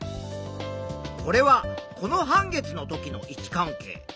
これはこの半月の時の位置関係。